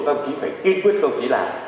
các ông chí phải kiên quyết các ông chí làm